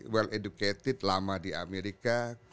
well educated lama di amerika